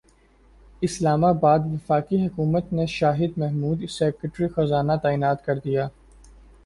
اسلام اباد وفاقی حکومت نے شاہد محمود سیکریٹری خزانہ تعینات کردیا